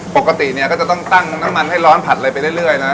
ปกติเนี่ยก็จะต้องตั้งน้ำมันให้ร้อนผัดอะไรไปเรื่อยนะ